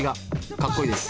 かっこいいです。